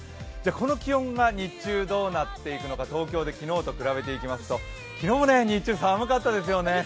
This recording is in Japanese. この気温が日中どうなっていくのか東京で昨日と比べていきますと、昨日、日中寒かったですよね。